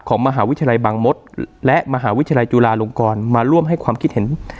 มหาวิทยาลัยบางมศและมหาวิทยาลัยจุฬาลงกรมาร่วมให้ความคิดเห็น